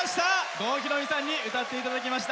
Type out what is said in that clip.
郷ひろみさんに歌っていただきました。